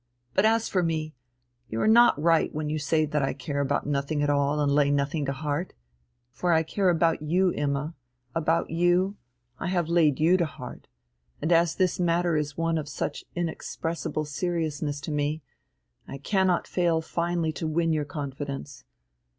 But as for me, you are not right when you say that I care about nothing at all and lay nothing to heart, for I care about you, Imma about you, I have laid you to heart; and as this matter is one of such inexpressible seriousness to me, I cannot fail finally to win your confidence.